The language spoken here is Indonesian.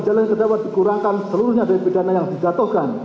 kejahatan yang terjawab dikurangkan seluruhnya dari pidana yang dijatuhkan